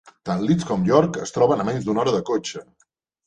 Tant Leeds com York es troben a menys d'una hora de cotxe.